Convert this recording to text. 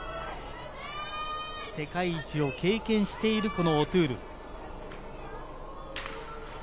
世界一を経験しているオトゥール。